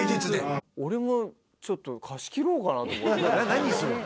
何すんの？